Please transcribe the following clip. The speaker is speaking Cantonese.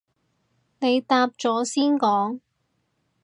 你答咗先講